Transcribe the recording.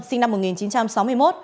sinh năm một nghìn chín trăm sáu mươi một